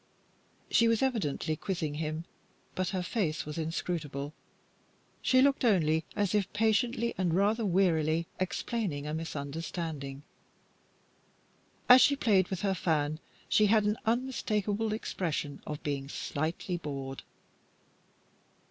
She was evidently quizzing him, but her face was inscrutable. She looked only as if patiently and rather wearily explaining a misunderstanding. As she played with her fan, she had an unmistakable expression of being slightly bored.